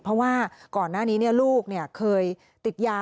เพราะว่าก่อนหน้านี้ลูกเคยติดยา